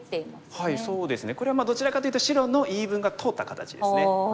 そうですねこれはどちらかというと白の言い分が通った形ですね。